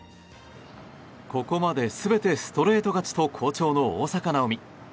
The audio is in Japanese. ここまで全てストレート勝ちと好調の大坂なおみ。